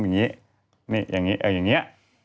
นี่อย่างนี้เอออย่างนี้